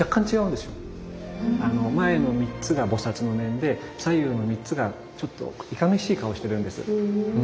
前の３つが菩の面で左右の３つがちょっといかめしい顔をしてるんです。